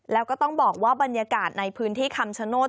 แล้วก็ต้องบอกว่าบรรยากาศในพื้นที่คำชโนธ